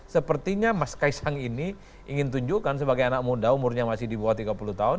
sepertinya mas kaisang ini ingin tunjukkan sebagai anak muda umurnya masih di bawah tiga puluh tahun